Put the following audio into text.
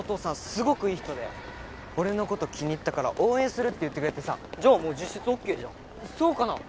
すごくいい人で俺のこと気に入ったから応援するって言ってくれてさじゃあもう実質ＯＫじゃんそうかな？